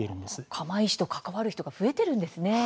釜石と関わる人が増えているんですね。